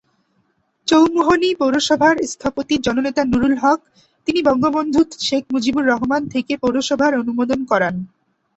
চৌমুহনী পৌরসভার স্থপতি জননেতা নুরুল হক, তিনি বঙ্গবন্ধু শেখ মুজিবুর রহমান থেকে পৌরসভার অনুমোদন করান।